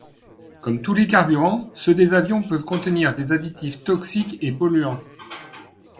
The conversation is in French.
Comme tous les carburants, ceux des avions peuvent contenir des additifs toxiques et polluants.